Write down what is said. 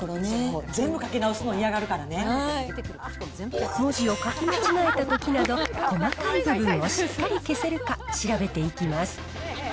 そう、文字を書き間違えたときなど、細かい部分をしっかり消せるか、調べていきます。